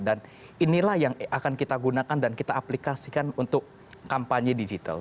inilah yang akan kita gunakan dan kita aplikasikan untuk kampanye digital